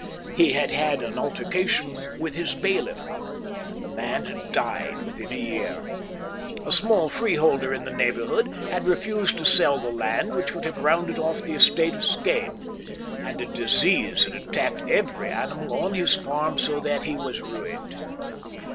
He had had an altercation with his bailiff, and the man had died within a year. A small freeholder in the neighbourhood had refused to sell the land which would have rounded off the estate of Skene, and a disease had attacked every animal on his farm so that he was ruined.